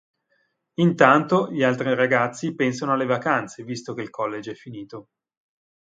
Intanto gli altri ragazzi pensano alle vacanze visto che il college è finito.